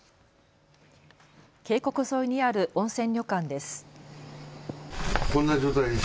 渓谷沿いにある温泉旅館です。